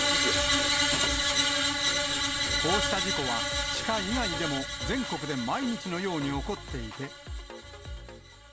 こうした事故は、シカ以外でも全国で毎日のように起こっていて。